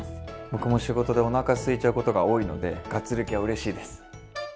僕も仕事でおなかすいちゃうことが多いのでがっつり系はうれしいです。